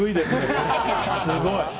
すごい！